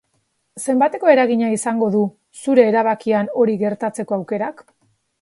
Zenbateko eragina izango du zure erabakian hori gertatzeko aukerak?